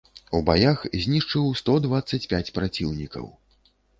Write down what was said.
У баях знішчыў сто дваццаць пяць праціўнікаў.